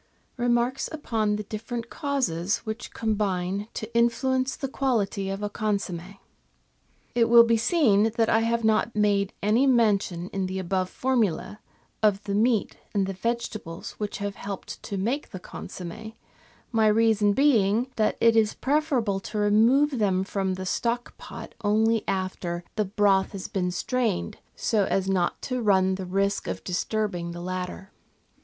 Remarks upon the Different Causes which Combine to Influence the Quality of a Consomme It will be seen that I have not made any mention in the above formula of the meat and the vegetables which have helped to make the consomm^, my reason being that it is preferable to remove them from the stock pot only after the B 2 4 GUIDE TO MODERN COOKERY broth has been strained, so as not to run the risk of disturbing the latter.